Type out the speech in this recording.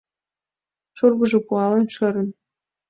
Шӱргыжӧ пуалын шӧрын.